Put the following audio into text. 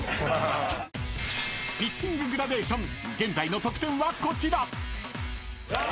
［ピッチンググラデーション現在の得点はこちら］